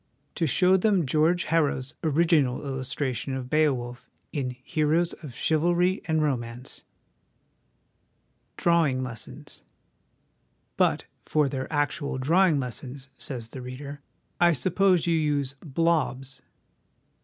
To show them George Harrow's 'original illustration' of Beowulf in Heroes of Chivalry and Romance? Drawing Lessons. But 'for their actual draw ing lessons/ says the reader, ' I suppose you use " blobs